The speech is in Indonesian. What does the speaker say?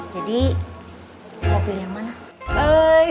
jadi mau pilih yang mana